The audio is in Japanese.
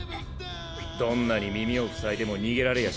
どんなに耳を塞いでも逃げられやしない。